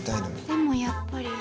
でもやっぱり。